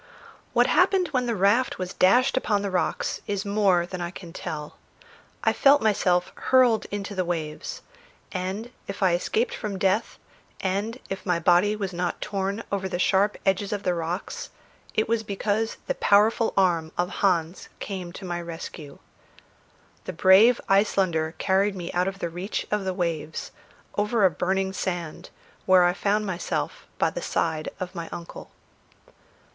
What happened when the raft was dashed upon the rocks is more than I can tell. I felt myself hurled into the waves; and if I escaped from death, and if my body was not torn over the sharp edges of the rocks, it was because the powerful arm of Hans came to my rescue. The brave Icelander carried me out of the reach of the waves, over a burning sand where I found myself by the side of my uncle.